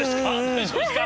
大丈夫ですか？